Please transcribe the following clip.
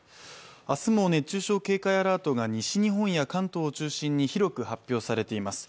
明日も熱中症警戒アラートが西日本や関東を中心に広く発表されています。